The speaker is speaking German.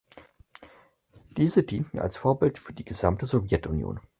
Diese dienten als Vorbild für die gesamte Sowjetunion.